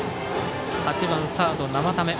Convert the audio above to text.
８番、サードの生田目。